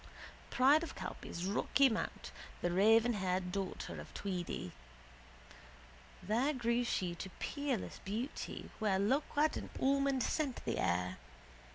Pride of Calpe's rocky mount, the ravenhaired daughter of Tweedy. There grew she to peerless beauty where loquat and almond scent the air.